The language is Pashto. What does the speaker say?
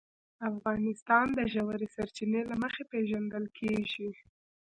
افغانستان د ژورې سرچینې له مخې پېژندل کېږي.